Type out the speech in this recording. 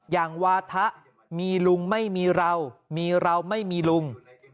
อย่างวาถะมีลุงไม่มีเรามีเราไม่มีลุง